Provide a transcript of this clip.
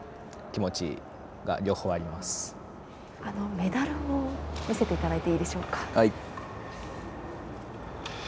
メダルを見せていただいていいでしょうか。